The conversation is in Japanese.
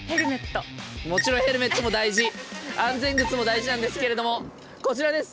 もちろんヘルメットも大事安全靴も大事なんですけれどもこちらです。